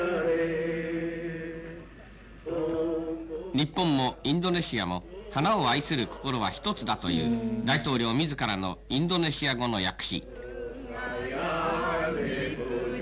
日本もインドネシアも花を愛する心は一つだという大統領自らのインドネシア語の訳詞。